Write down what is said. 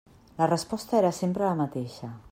La resposta era sempre la mateixa.